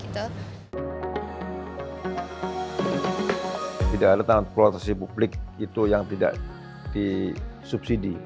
tidak ada tanggung jawab protesi publik itu yang tidak disubsidi